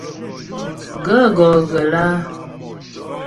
Gaə̂ gɔ́ ghə lǎ ?